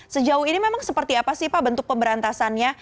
sejauh ini memang seperti apa sih pak bentuk pemberantasannya